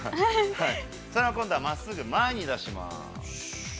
それを今度は真っすぐ前に出します。